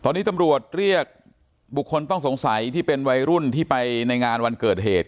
ตอนนี้ตำรวจเรียกบุคคลต้องสงสัยที่เป็นวัยรุ่นที่ไปในงานวันเกิดเหตุ